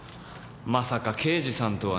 まさか刑事さんとはねぇ。